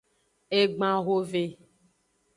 Egban hove.